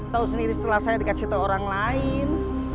tahu sendiri setelah saya dikasih tahu orang lain